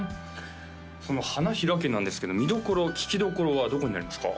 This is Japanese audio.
その「ハナヒラケ」なんですけど見どころ聴きどころはどこにありますか？